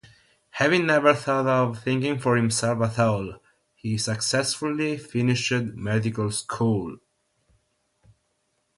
Having never thought of thinking for himself at all, he successfully finished medical school.